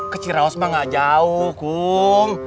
kecil rausman gak jauh kum